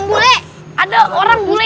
bule ada orang bule ini